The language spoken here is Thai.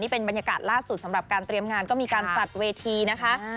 เป็นบรรยากาศล่าสุดสำหรับการเตรียมงานก็มีการจัดเวทีนะคะ